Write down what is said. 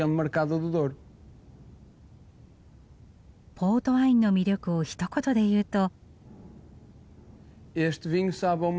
ポートワインの魅力をひと言で言うと？